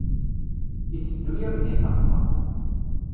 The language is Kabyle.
Iteddu-yam di nneqma.